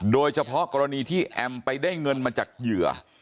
โดยเฉพาะกรณีที่แอมไปได้เงินมาจากเหยื่อ